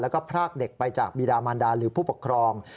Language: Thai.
แล้วก็พรากเด็กไปจากบีดามันดาหรือผู้ปกครอง